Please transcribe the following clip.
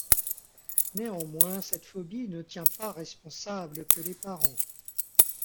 Néanmoins cette phobie ne tient pas responsable que les parents.